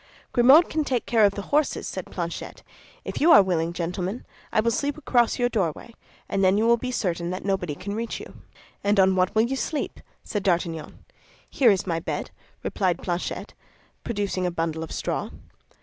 "Grimaud can take care of the horses," said Planchet. "If you are willing, gentlemen, I will sleep across your doorway, and you will then be certain that nobody can reach you." "And on what will you sleep?" said D'Artagnan. "Here is my bed," replied Planchet, producing a bundle of straw.